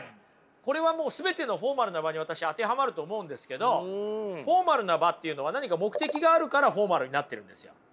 これはもう全てのフォーマルな場に私当てはまると思うんですけどフォーマルな場っていうのは何か目的があるからフォーマルになってるんですよ。